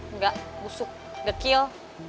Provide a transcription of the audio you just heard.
enggak busuk dekil